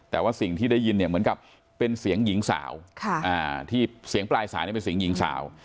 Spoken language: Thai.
แต่ว่าสิ่งที่ได้ยินเนี่ยเหมือนกับเป็นเสียงหญิงสาวที่เสียงปลายสายเป็นเสียงหญิงสาว